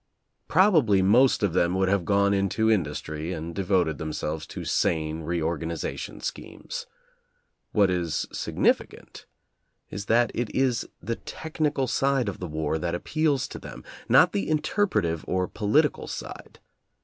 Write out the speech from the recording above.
Prob ably most of them would have gone into industry and devoted themselves to sane reorganization schemes. What is significant is that it is the tech nical side of the war that appeals to them, not the interpretative or political side.